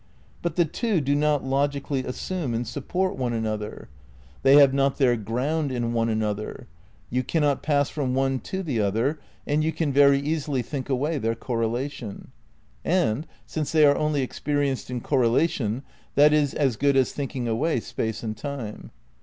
But the two do not logically assume and support one an 298 THE NEW IDEALISM xi other ; they have not their ground in one another ; you cannot pass from one to the other; and you can very easily think away their correlation. And, since they are only experienced in correlation, that is as good as thinking away Space and Time.